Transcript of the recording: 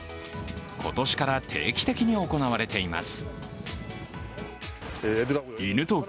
今年から定期的に行われています。